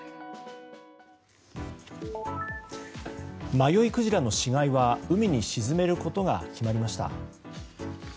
迷いクジラの死骸は海に沈めることが決まりました。